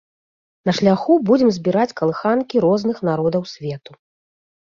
На шляху будзем збіраць калыханкі розных народаў свету.